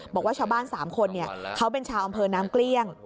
บอกว่าชาวบ้าน๓คนเขาเป็นชาวอำเภอน้ำเกลี้ยง